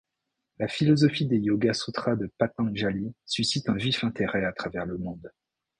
La philosophie des Yoga-sûtras de Patañjali suscite un vif intérêt à travers le monde.